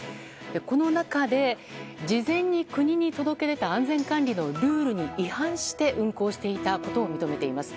この中で、事前に国に届け出た安全管理のルールに違反して運航していたことを認めています。